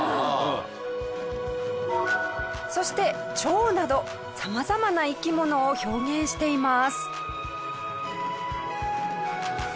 そして蝶など様々な生き物を表現しています。